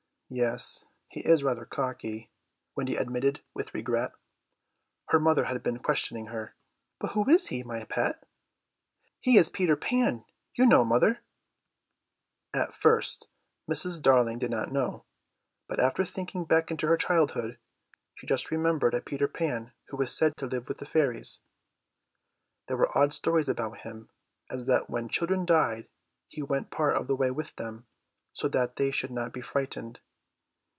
"Yes, he is rather cocky," Wendy admitted with regret. Her mother had been questioning her. "But who is he, my pet?" "He is Peter Pan, you know, mother." At first Mrs. Darling did not know, but after thinking back into her childhood she just remembered a Peter Pan who was said to live with the fairies. There were odd stories about him, as that when children died he went part of the way with them, so that they should not be frightened.